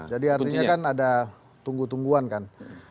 jadi artinya kan ada tunggu tungguan kan